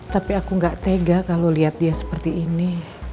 tapi aku gak tega kalo liat dia seperti ini